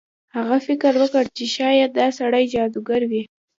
هغه فکر وکړ چې شاید دا سړی جادوګر وي.